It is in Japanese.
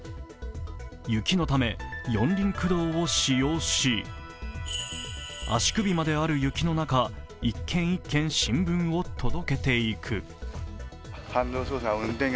雪のため、四輪駆動を使用し、足首まである雪の中１軒１軒、新聞を届けていく。